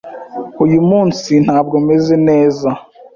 Uyu munsi ntabwo meze neza.